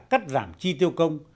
cắt giảm chi tiêu công